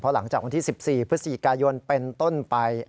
หลังจากวันที่๑๔พฤศจิกายนเป็นต้นไป